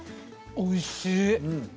おいしい！